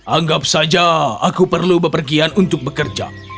anggap saja aku perlu bepergian untuk bekerja